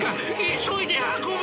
急いで運べ！